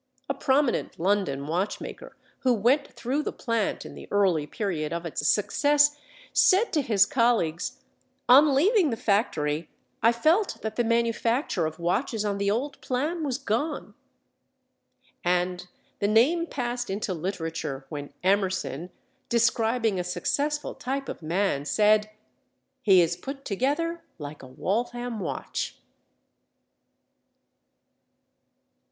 A prominent London watchmaker who went through the plant in the early period of its success said to his colleagues: "On leaving the factory, I felt that the manufacture of watches on the old plan was gone." And the name passed into literature when Emerson, describing a successful type of man, said, "He is put together like a Waltham watch."